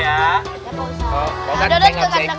ya pak ustadz